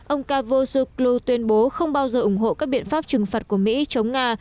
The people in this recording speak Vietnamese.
ông cavusoglu tuyên bố không bao giờ ủng hộ các biện pháp trừng phạt của mỹ chống nga